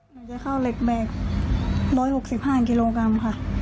หนูจะเข้าเหล็กแบก๑๖๕กิโลกรัมค่ะ